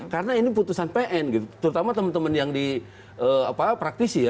karena ini putusan pn gitu terutama temen temen yang di praktisi ya